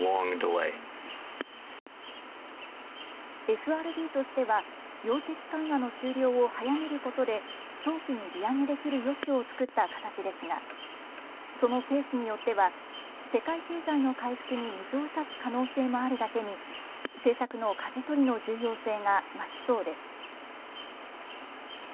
ＦＲＢとしては、量的緩和の終了を早めることで、早期に利上げできる余地を作った形ですが、そのペースによっては、世界経済の回復に水をさす可能性もあるだけに、政策のかじ取りの重要性が増しそうです。